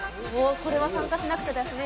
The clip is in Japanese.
これは参加しなくちゃですね。